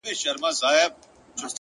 پرمختګ د دوامداره هڅې حاصل دی؛